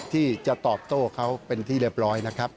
ที่จะตอบโต้เขาเป็นที่เรียบร้อยนะครับ